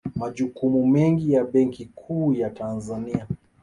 Majukumu mengine ya Benki Kuu ya Tanzania